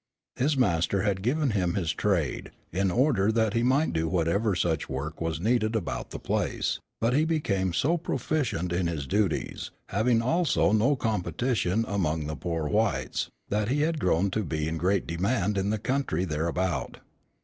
His master had given him his trade, in order that he might do whatever such work was needed about the place; but he became so proficient in his duties, having also no competition among the poor whites, that he had grown to be in great demand in the country thereabout.